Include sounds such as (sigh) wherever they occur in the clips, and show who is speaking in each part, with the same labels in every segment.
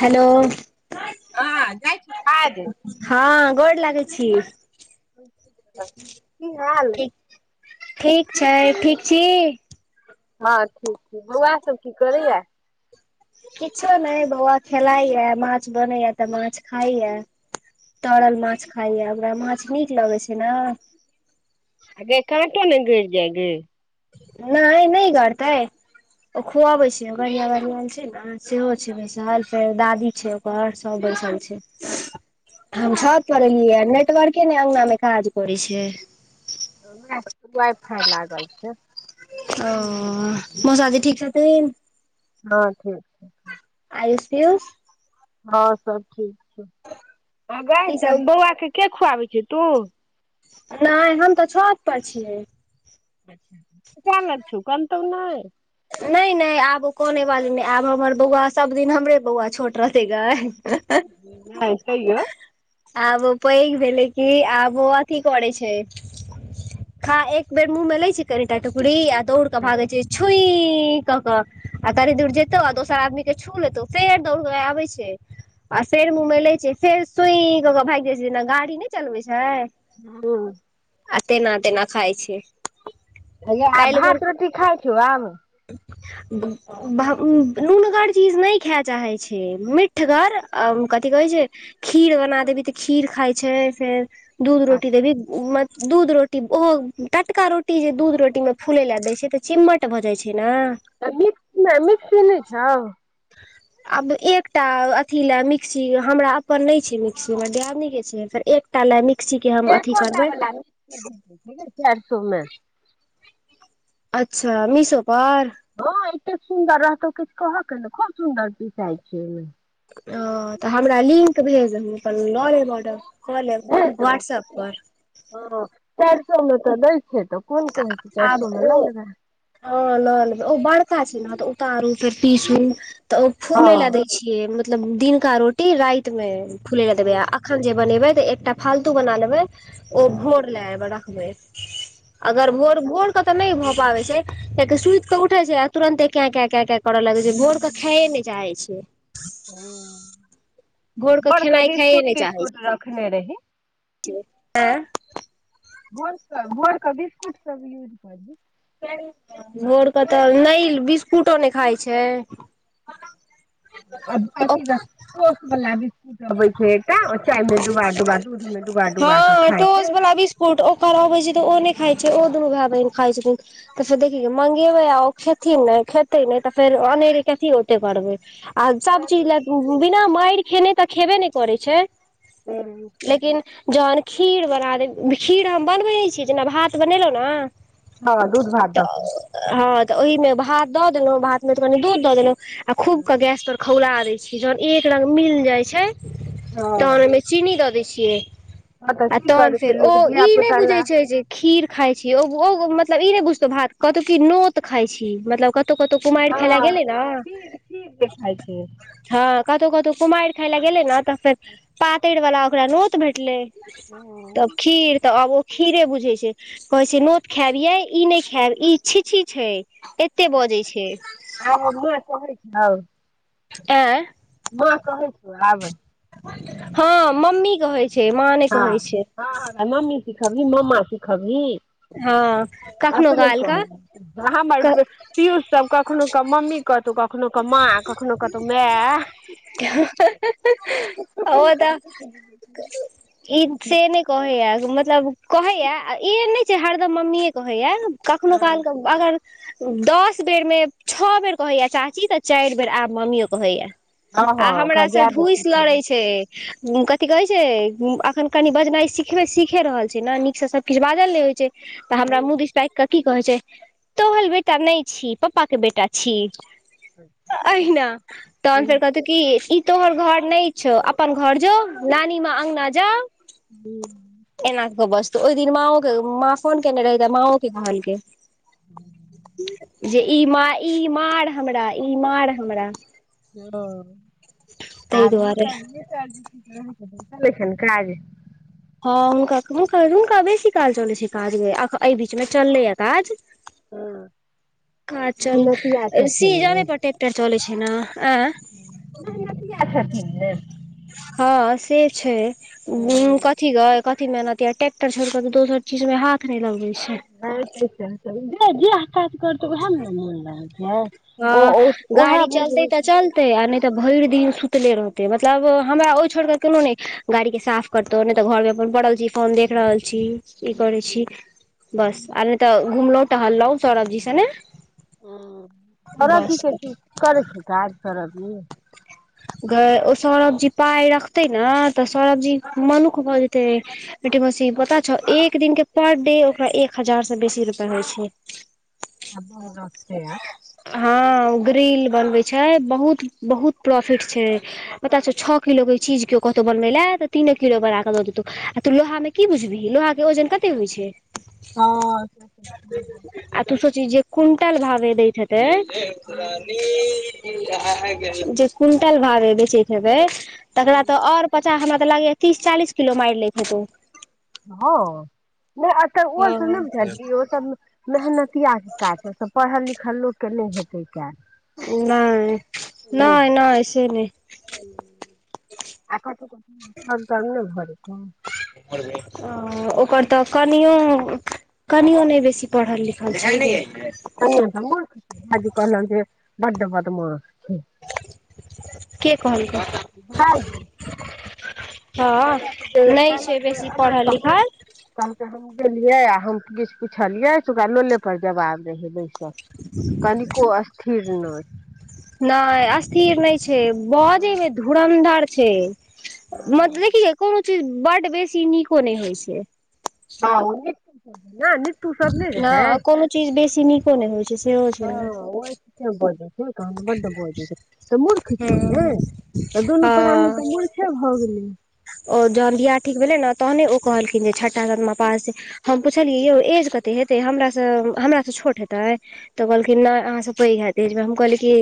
Speaker 1: Hello.
Speaker 2: हँ जाइ छ आज
Speaker 1: हँ गोड़ लऽगै छी,
Speaker 2: की हाल
Speaker 1: ठीक। ठीक छै, ठीक छी।
Speaker 2: हँ ठीक छी, बौआ सब की करैये।
Speaker 1: किछो नहि बौआ खेलाइय, माछ बनैय तऽ माछ खाइय। तऽरल मांछ खाइय, ओकरा मांछ नीक लगै छै ने।
Speaker 2: हऽ गे काटो ने गरि जाइ गै।
Speaker 1: नइ-नइ गरतै, ओ खुआबै छै गढ़िया वाली आयल छै ने। सेहो छै बैसल, फेर दादी छै ओकर, सब बैसल छै हम छत। पर एलियै नेटवर्के ने अंगना में काज करै छै।
Speaker 2: वैह वाइफाइ लागल छैय।
Speaker 1: ओ मौसाजी ठीक छथिन।
Speaker 2: हँ ठीक।
Speaker 1: आयुस पियुस।
Speaker 2: हँ सब ठीक छैय। - ऐ गैय
Speaker 1: की
Speaker 2: तऽ
Speaker 1: सब
Speaker 2: बौआके के खुआबै छैय तू।
Speaker 1: नई हम तऽ छोत पर छियै।
Speaker 2: (unintelligible) नई छौ कनतौ नैए
Speaker 1: नै नै आब ओ कनै बाली नइ आब हमर बौआ सब दिन हमरे बौआ छोट रहतै गै।
Speaker 2: नै तैयो।
Speaker 1: आब ओ पैघ भेलै कि आब वो बौआ की करै छैय। खा एक बेर मुँहमे ले छैय कनिटा टुकड़ी आ दौड़ के भागै छैय छुई ई क क आ कनी दूर जतौ आ दोसर आदमी के छू लेतौ फेर दौड़ क आबय छैय। आ फेर मुँहमे ले छै फेर सुई क के भागि जाइ छैय जेना गाड़ी नहि चलबै छैय।
Speaker 2: हँ।
Speaker 1: आ तेना तेना खाइ छैय।
Speaker 2: आंय गै आ भात रोटी खाय छौ आब।
Speaker 1: ब (inaudible) भ नूनगर चीज नै खै चाहैत छैय, मीठगर कथी कहै छैय खीर बना देबही तऽ खीर खाइ छैय फेर दूध रोटी देबही म दूध रोटी ओहो टटका रोटी जे दूध रोटीमे फूलै लय देय छैय त चिम्मट भऽ जाय छैय ना।
Speaker 2: त मिकस मिक्सी नहि छौ।
Speaker 1: आब एकटा अथी लए मिक्सी हमरा अपन नै छैय मिक्सी हमरा दियदनीके छैय फेर एक एकटा लय मिक्सीके हम अथी
Speaker 2: एकोटा
Speaker 1: करबै।
Speaker 2: वला मिक्सी (unintelligible) चारि सए मे।
Speaker 1: अच्छा मिसो पर।
Speaker 2: हँ एते सुन्दर रहतौ किछु कह के ने खूब सुन्दर बिकाइ छैय।
Speaker 1: ह तऽ हमरा लिंक भेज देब अपन लऽ लेब ऑर्डर क लेब व्हाट्सऐप पर।
Speaker 2: ह चार सए मे तऽ दै छैय तऽ। कोन कहै छै चारि
Speaker 1: आब
Speaker 2: सौ मे
Speaker 1: ओ
Speaker 2: लऽ लेबै
Speaker 1: हँ लऽ लेबै ओ बड़का छैय ने तऽ उतारू फेर पीसू तऽ ओ फूलै लय
Speaker 2: हँ
Speaker 1: दइ छियै मतलब दिनका रोटी रातिमे फुलै लय देबै अखन जे बनेबै तऽ एकटा फालतू बना लेबै ओ भोर लए रखबै। अगर भोर, भोर के तऽ नै भ पाबै छैय कियाकि सुति केऽ उठे छैय तुरंते क़ैँ-कैँ- कैँ- कैँ करऽ लगै छैय, भोर के खाए नहि चाहे छैय।
Speaker 2: ह
Speaker 1: भोर के
Speaker 2: भोरके
Speaker 1: खेनाइ खाइए
Speaker 2: बिस्कुट-तिस्कुट रखने रही।
Speaker 1: एँ।
Speaker 2: भोरके भोरके बिस्कुट सब यूज करहि।
Speaker 1: भोरके तऽ नै बिस्कुटो नै खाइ छैय।
Speaker 2: अथी त (unintelligible) बला बिस्कुट अबै छैय एकटा ओ चायमे डुबा-डुबा दूधमे डुबा- डुबाके खाय छैय।
Speaker 1: ओट ओकर अबै छैय तऽ ओ नहि खाइ छैय ओ दुनू भाय बहिन खाइत छथिन। अच्छा देखी मंगेबै आ ओ खेथिन नहि खेतै नहि तऽ फेर अनेरे कथी ओते करबै। आ सभ चीज ल बिना मारि खेने तऽ खेबे नै करै छैय।
Speaker 2: हुं।
Speaker 1: लेकिन जखन खीर बना देब खीर हम बनबै नहि छी जेना भात बनेलहुँ ने
Speaker 2: हँ दूध भात द
Speaker 1: तऽ
Speaker 2: क
Speaker 1: हँ तऽ ओहि मे भात दऽ देलहुँ भात मे तऽ कनी दूध दऽ देलहु आ खूब के गैस पर खौला दै छियै, जखन एक रंग मिल जाइ छै,
Speaker 2: हँ
Speaker 1: तखन चीनी दऽ दै छियै
Speaker 2: हँ तऽ
Speaker 1: आ
Speaker 2: की
Speaker 1: तखन
Speaker 2: करतै
Speaker 1: फेर, ओ
Speaker 2: लोक
Speaker 1: ई
Speaker 2: धिया
Speaker 1: नहि
Speaker 2: पुता लए
Speaker 1: बुझै छै जे खीर खाई छी ओ मतलब ई नहि बुझतौ भात कतौ की नोत खाई छी मतलब कतऽ कत कतहु कुमारि खाइ ले
Speaker 2: हँ
Speaker 1: गेले ने
Speaker 2: खीर खीर जे खाय छै
Speaker 1: हँ कतहु कतौ कुमारि खाय ल गेले न तऽ फेर पातरि वाला ओकरा नोत भेटले तब खीर तऽ आब ओ खीरे बुझै छै। कहै छै नोत खायब यै ई नहि खायब ई छी छी छै। एते बजै छै
Speaker 2: आब ओ नुआ कहै छौ?
Speaker 1: एं
Speaker 2: मा कहै छौ आब।
Speaker 1: हँ मम्मी कहै छै माँ नै कहै छै।
Speaker 2: हां हां मम्मी सिखहबी मम्मा सिखहबिही।
Speaker 1: हँ कखनो
Speaker 2: अतबे
Speaker 1: काल
Speaker 2: कर, हमर
Speaker 1: कऽ
Speaker 2: पियूष सब कखनो के मम्मी कतौ कखनो क माँ कखनो कतहु माय
Speaker 1: ओ तऽ
Speaker 2: (unintelligible)
Speaker 1: ई से नहि कहैया मतलब कहैया ई नहि छै हरदम मम्मीए कहैये कखनो
Speaker 2: हँ
Speaker 1: काल के अगर दस बेर मे छओ बेर कहैया चा ची तऽ चारि बेर आब मम्मियो कहैये आ
Speaker 2: हँ ओकरा
Speaker 1: हमरा से
Speaker 2: याद अथी
Speaker 1: ढूसि लड़ै छै। कथि कहै छै अखन कनि बजनाइ सिखब सीखे रहल छै ने नीकसँ सब किछु बाजल नहि होइत छै। तऽ हमरा मुंह दिस ताकि कऽ की कहै छै तोहल बेटा नहि छी पप्पा के बेटा छी। अहिना, तखन फेर कहत त कि ई तोहर घर नहि छौ, अपन घर जो, नानी मा अङगना जा
Speaker 2: हुं।
Speaker 1: एहिना क क बजतौ, हि दिन माओ के माँ फोन केने रहै ते माओ के कहलके। जे ई मार ई मार हमरा ई मार हमरा। ताहि दुआरे
Speaker 2: (unintelligible) करै छैन काज।
Speaker 1: हँ हुनका हुनका बेसी काल चलै छै काज, एहि बीचमे चललैए काज। काज चल
Speaker 2: नतिया
Speaker 1: सी
Speaker 2: छथिन
Speaker 1: एगारह पर टेक्टर चलै छै ने।
Speaker 2: मेहनतिया छथिन यै।
Speaker 1: हँ से छै, कथि गय, कथि कि मेहनतिया ट्रेक्टर छोड़ि के दोसर चीज मे हाथ नै लगबे छै।
Speaker 2: जे जैह काज करतै वैह मे ने मोन लगै छै। ओ
Speaker 1: हँ
Speaker 2: उएह
Speaker 1: गाड़ी
Speaker 2: बुझै
Speaker 1: चलते तऽ
Speaker 2: छथिन
Speaker 1: चलतै आ नै ते भरि दिन सुतले रहतै, मतलब हमरा ओ छोड़ि के कोनो नहि गाड़ी के साफ करतौ नहि तऽ घर मे अपन पड़ल छी फोन देख रहल छी, ई करै छी बस आर नहि तऽ घुमलहु टहलहुं, सौरभ जी सने
Speaker 2: हुं, सौरभजी
Speaker 1: बस
Speaker 2: कि करै छै काज सौरभजी।
Speaker 1: गै ओ सौरभजी पाय रखतै ने तऽ सौरभजी मनुख भऽ जेतै लेकिन पता छौ एक दिन के पर डे ओकरा एक हजार से बेसी रुपआ होइ छै।
Speaker 2: आब मोन राखय ये।
Speaker 1: हँ ग्रील बनवै छै बहुत बहुत प्रॉफिट छै। म त छ किलो गेबे। चीज केओ कतहु बनबै लए तऽ तीने किलो बना कऽ दऽ देतहुौ आ तू लोहा मे क बुझहीोहा के ओजन कते होइ छै। आ तू सची जे क्वंटाल भाव देथ। जे दे तऽ (unintelligible) जे क्विंटल भावे बेचैत हेबै तकरा तऽ आओर पचास हमराऽ लागैए तीस चालीस किलो मारि लेक हथिन।
Speaker 2: हँ नहि तऽ
Speaker 1: हँ
Speaker 2: ओत
Speaker 1: हँ।
Speaker 2: बुझलहि ओ सब मेहनतिआके काज पढ़ल लिखल लोकके नहि हेतै कैल।
Speaker 1: नहि नैय-नैय से नहि।
Speaker 2: आ त तब ने भर छै।
Speaker 1: (unintelligible) घर हँ ओकर तऽ कनियो-कनियो नहि बेसी पढ़ल लिखल छैय।
Speaker 2: कनिया तऽ मुर्ख भाइजी कह लक जे बड बदमास।
Speaker 1: के कहकउ
Speaker 2: भाइजी
Speaker 1: (unintelligible) हँ
Speaker 2: कहलक कि जे
Speaker 1: नैय छै
Speaker 2: जे
Speaker 1: बेसी
Speaker 2: एना कहू
Speaker 1: पढ़ल-लिखल।
Speaker 2: कहलक हम गेलियै आ हम किछ पुछलियै त ओकरा लोले पर जवाब रहै बैस। कनिको अस्थिर नहि।
Speaker 1: नैय अस्थिर नहि छै बजेमे धुरन्धर छै मतब देखि गइ कोनो चीज बड़ बेसी नीको नहि होइ छै।
Speaker 2: हँ ओ हि नै नीट
Speaker 1: ह कोनो चीज बेसी नीको नहि होइ छै सेहो
Speaker 2: हँ
Speaker 1: छै।
Speaker 2: ओहि बजै छैन बड्ड बजै छै तऽ मूर्ख छै
Speaker 1: हँ
Speaker 2: ने तऽ दुनू प्राणी
Speaker 1: हँ
Speaker 2: के मूर्ख सभ भऽ गेलै।
Speaker 1: ओ जहन बियाह ठीक भेलै ने तहने ओ कहलखिन जे छटा सतमा पास। हम पुछलियै यौ एज कते हेतै हमरासँ, हमरासँ छोट हेतै? तऽ कहलखिन नहि अहाँसँ पैघ हैत एज मे हम कहली कि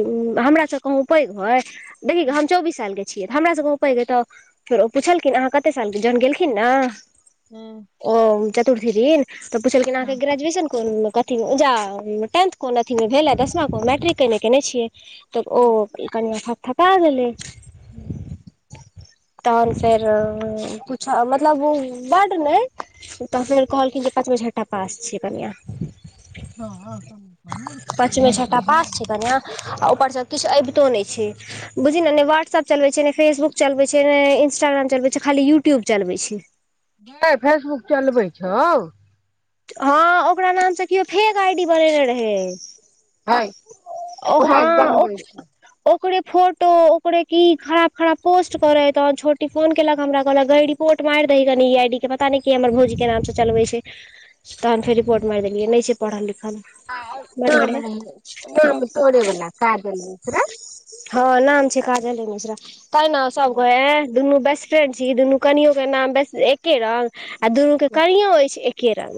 Speaker 1: हमरासँ कहूँ पैघ होइ। देखिय गई हम चौबीस साल के छियै तऽ हमरा स कहु पैघ एतऽ पुछलखिन आहाँ कते साल जहन गेलखिन न
Speaker 2: हू
Speaker 1: ओ चतुर्थी दिन तऽ पुछलखिन अहाँके ग्रेजुएशन कुन क जा टेंथ कोन अथीमे भेलै दशमा को मैट्रिक के मे केयने छियै तऽ ओ कनिया थक-थका गेलै।
Speaker 2: (inaudible)
Speaker 1: तहन फेर पुछा मतलब बड नहि ओ तऽ फेर कहलखिन जे पाँचमे, छटठा पास छियै कनिया।
Speaker 2: हँ-हँ-हँ
Speaker 1: पाँचमे छठा पास छै
Speaker 2: (unintelligible)
Speaker 1: कनिया आ ऊपरसँ किछ अबितो नहि छै। बुझी ने नहि व्हाट्सऐप चलबे छै, ने फेसबुक चलबै छै, नहि इंस्टाग्राम चलबै छै, खाली यूट्यूब चलबै छै।
Speaker 2: नहि फेसबुक चलबै छौ।
Speaker 1: हँ ओकरा नामसँ किओ फेक आई डी बनेने रहै।
Speaker 2: हय
Speaker 1: ओ
Speaker 2: उएह
Speaker 1: हँ ओ
Speaker 2: बनबै छै
Speaker 1: ओकरे फोटो ओकरे की खराब-खराब पोस्ट करे त छोटी फोन केलक हमरा कहलक गई रि पोर्ट मारि दही कनी ई आई डी के पता नहि के हमर भौजी के नाम से चलबे छै। तहन फेर रिपोर्ट माइर देलियै नहि छै पढ़ल-लिखल
Speaker 2: (unintelligible) तोरे बला (unintelligible)
Speaker 1: हँ नाम छै काजले मिश्रा तैय न सब कहय एं दुनू बेस फ्रेंड छी ई दुनू कनियो के नाम बेस एके रंग आ दुनू के कनियो अछि एके रंग।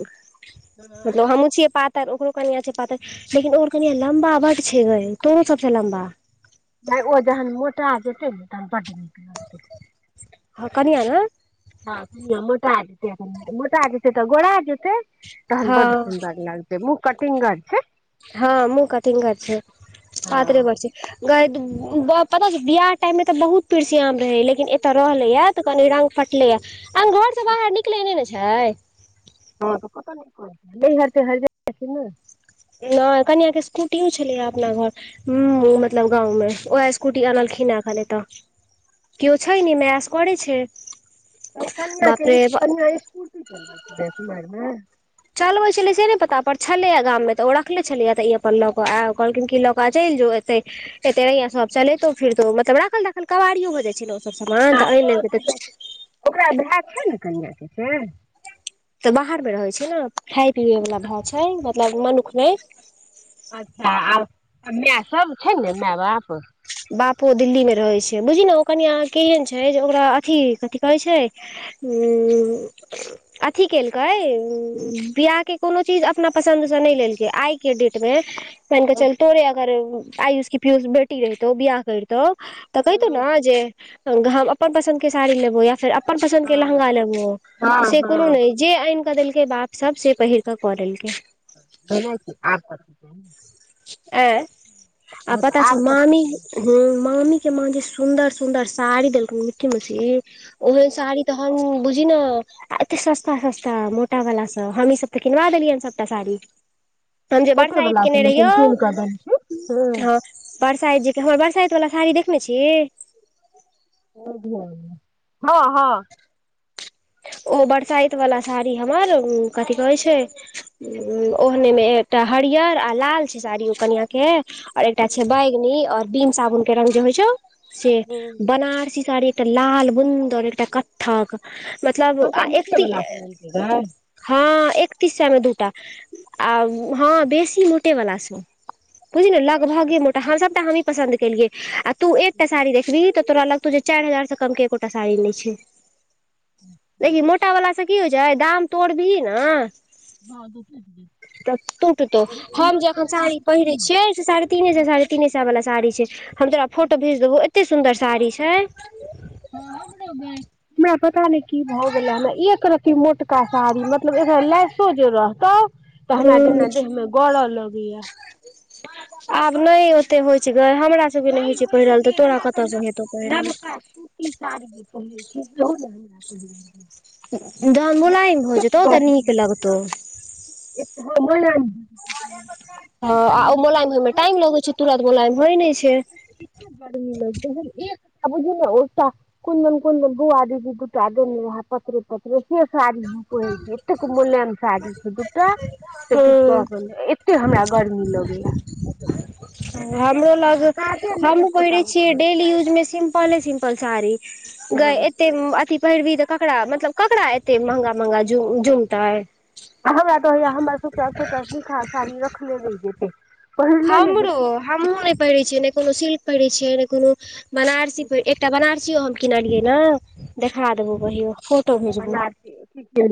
Speaker 1: स ज हमहु छियै पात तर ओकरो कनिया छै पातर लेकिन ओकर कनिया लम्बा बड़ छै गे तोरो सबसे लम्बा।
Speaker 2: तैं ओ जहन मोटा जेतै ने तहन बड्ड नीक लगतै।
Speaker 1: हँ कनिया न
Speaker 2: ह कनियां मोटा जेतै मोटा जेतै तऽ गोरा जेतै तहन बड
Speaker 1: हँ
Speaker 2: सुन्दर लगतै। जे मुँह कटिंगर छै।
Speaker 1: हँ मुँह कटिंगर छय
Speaker 2: हँ
Speaker 1: पातरे बड़ छय। गई द ब पता छौ बियाह टाइम मे तऽ बहुत पीरसीयाम रहै लेकिन एतऽ रहलैयै तऽ कनी रंग फट लैयै अखन घरसे बाहर निकले नै ने छैय।
Speaker 2: हॅं त कत निकलतै नैहर-तैहर जाइ छै कि नै?
Speaker 1: नै कनिया के स्कूटियो छलैयै अपना घर मतलब गांव में वैहै स्कूट कुटी अनलखिन है एखन ऐत केओ छै नै माय असगरे छैय।
Speaker 2: त ओ कनिआ के स्कू कनिआ स्कूटी चलबै छैलै कुमारि में?
Speaker 1: चलबै छलै से नै पता पर छलैए गाम मे तऽ ओ रखले छलैया तऽ ई अपन लऽ कऽ आयब कहलखिन की ल कऽ चैल जो एतै एते रैहिया सब चलेैतौ फिरतो मतलब राखल राखल कबाड़ियो भऽ जाइ छै ने ओसब
Speaker 2: आ
Speaker 1: समान तऽ आन
Speaker 2: ओ
Speaker 1: लेलकै
Speaker 2: की
Speaker 1: त
Speaker 2: कहै छै ओकरा भाय छै ने कनिआ के से।
Speaker 1: तऽ बाहर मे रहै छै ने खाय पियए वला भए छै मतलब मनुख नै।
Speaker 2: अच्छा आब कनिया सब छै न माय- बाप।
Speaker 1: बापो दिल्ली मे रहै छै बुझही नै ओ कनियां केहन छै जे ओकरा अथी कथि कहै छैय उं उं उं अथी केलकै बियाहके कोनो चीज अपना पसन्दसँ नै लेलकै आइ के डेट मे मानि के
Speaker 2: हँ
Speaker 1: चल तोरे अगर आयुष की पियुष बेटी रहितौ बियाह करितौ तऽ कहितौ न जे हम अपन पसन्द के साड़ी लेबो या फेर अप अपन पसन्द के लहंगा लेबौ
Speaker 2: हँ
Speaker 1: से कोनो
Speaker 2: हँ
Speaker 1: नई जे आइनकऽ देलकै बाप सब से पहिर क कऽ लेलकै।
Speaker 2: छैहे की आब कथी चाहि।
Speaker 1: ऐं आ
Speaker 2: तऽ
Speaker 1: पता छौ
Speaker 2: आब कथी
Speaker 1: मामी
Speaker 2: चाही
Speaker 1: हुँ मामी के माँ जे सुंन्दर- सुंदर साड़ी देलकै मुट्ठी -मुट्ठी ओहन साड़ी त हम बुझी न आ एते सस्ता- सस्ता मोटा वाला सब हमही सब तऽ किनवा देलियै सबटा साड़ी। हम जे
Speaker 2: मोटे
Speaker 1: बरसाइत
Speaker 2: वला से
Speaker 1: केने रहियौ
Speaker 2: लेकिन चेन्ज कऽ देलखिन
Speaker 1: हाँ बरसाइत जे के हमर बरसाइत वला साड़ी देखने छीही?
Speaker 2: नइ धियान अइ, हॅं हॅं।
Speaker 1: ओ बरसाइत वाला साड़ी हमर कथी कहै छै उ ओहने मे एकटा हरियर आ लाल छै साड़ी ओ कनिया के। और एकटा
Speaker 2: हँ
Speaker 1: छै बैगनी और बिम साबुन के रंग जे होइ छौ से बनारसी साड़ी एकटा लाल बुन्द और एकटा कत्थक मतलब आ
Speaker 2: सबटा मोटे
Speaker 1: एकती
Speaker 2: वला
Speaker 1: ए
Speaker 2: पहिनलकै गै
Speaker 1: हाँ एकतीस सए मे दूटा आ हँ बेसी मोटे वला स। बुझही न लगभगे मोटा हम सबटा हमी पसन्द केलिये आ तू एकटा साड़ी देखबी तऽ तोरा लगतौ जे चार हजार से कम के एकोटा साड़ी ने छै। देखही मोटा वला से की होइ छै दाम तोड़बीही न तऽ तुटतौ हम जे अखन साड़ी पहिरे छियै से साढ़े तीनेसै- साढ़े तीने सै वला साड़ी छै हम तोरा फोटो भेज देबौ एत एते सुन्दर साड़ी छैय
Speaker 2: हाँ हमरो भेज हमरा पता नै की भऽ गेले हमरा एक रती मोटका साड़ी मतलब एगो लेश सो जे रहतौ तऽ हमरा जेना
Speaker 1: हूँ
Speaker 2: देहमे गड़ लगैया।
Speaker 1: आब नै ओते होइ छै गे हमरा सभके नै होइ छै पहिरल तऽ तोरा कतयसँ हेतौ पहिरल।
Speaker 2: ई साड़ी जे पहिरे छी सेहो नै हमरा पहिर
Speaker 1: जहन मोलाइम भऽ जेतौ तऽ नीक लगतो।
Speaker 2: एक हाँ मुलायम
Speaker 1: हाँ आ ओ मोलायम होय मे टाइम लगे छै तुरंत मोलायम होइ ने छैय।
Speaker 2: एते गर्मी लगतौ एकटा बुझही ने ओ सा कुनदन-कुनदन बउआ दीदी दूटा देने रेहा पतरे-पतरे से साड़ी हम पहिरै छी एतेक मुलाएम साड़ी छैय दूटा से किछ कह
Speaker 1: हँ
Speaker 2: के नै एते हमरा गर्मी लगैया।
Speaker 1: हमरो लग
Speaker 2: काजे नहि
Speaker 1: हमहुँ
Speaker 2: एकोटा
Speaker 1: पहिरे
Speaker 2: हँ
Speaker 1: छियै डेली यूज मे सिम पले सिम्पल साड़ी गए
Speaker 2: आ
Speaker 1: एते अथी पहिरबही तऽ ककरा मतलब ककरा एते महंगा महंगा जु जुमतै
Speaker 2: हमरा तय होइयै हमर (unintelligible) निकहा साड़ी रखले रैह जेते
Speaker 1: हमरो हमहुँ नहि पहिरे छियै नहि कोनो सिल्क पहिरे छियै नहि कोनो बनारसी पहिर एकटा बनारसियो हम किनलियै ने देखा देबउ कहियो फोटो भेजबौ
Speaker 2: बनारसी